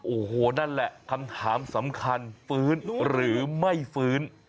โอ้โหนั่นแหละคำถามสำคัญฟื้นหรือไม่ฟื้น